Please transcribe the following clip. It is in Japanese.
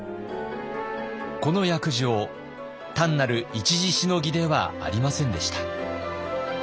この約定単なる一時しのぎではありませんでした。